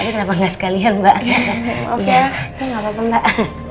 kenapa enggak sekalian mbak ya maaf ya enggak apa apa mbak